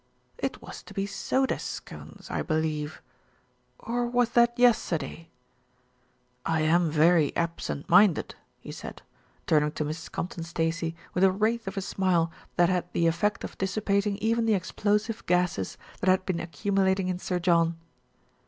"It was to be soda scones, I believe, or was that yester day? I am very absent minded," he said, turning to Mrs. Compton Stacey with a wraith of a smile that had the effect of dissipating even the explosive gases that had been accumulating in Sir John.